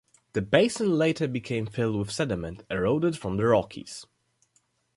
The basin later became filled with sediment eroded from the Rockies.